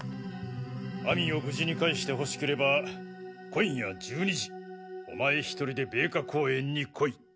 「亜美を無事に返してほしければ今夜１２時お前１人で米花公園に来い。